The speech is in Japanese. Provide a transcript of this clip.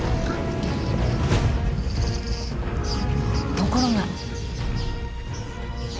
ところが。